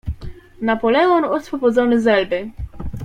"Napoleon oswobodzony z Elby."